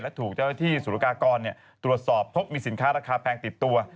และถูกเจ้าหน้าที่สุรกากรตรวจสอบพบมีสินค้าราคาแพงติดตัว